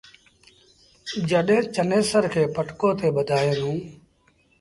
جڏهيݩ چنيسر کي پٽڪو تي ٻڌآيآندون۔